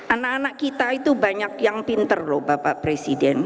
anak anak kita itu banyak yang pinter loh bapak presiden